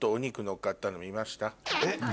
えっ？